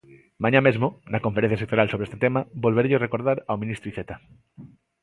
Mañá mesmo, na Conferencia sectorial sobre este tema, volvereillo recordar ao ministro Iceta.